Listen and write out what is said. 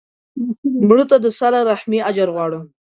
مړه ته د صله رحمي اجر غواړو